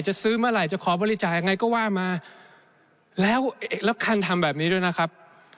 ซื้อเมื่อไหร่จะขอบริจาคยังไงก็ว่ามาแล้วแล้วคันทำแบบนี้ด้วยนะครับ